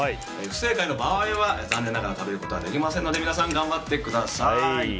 不正解の場合は、残念ながら食べることができませんので皆さん、頑張ってください。